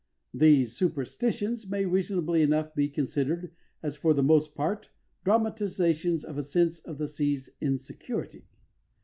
These superstitions may reasonably enough be considered as for the most part dramatisations of a sense of the sea's insecurity.